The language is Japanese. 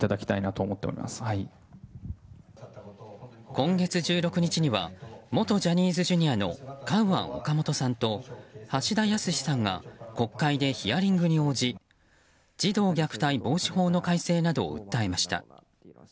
今月１６日には元ジャニーズＪｒ．のカウアン・オカモトさんと橋田康さんが国会でヒアリングに応じ児童虐待防止法の改正などを訴えました。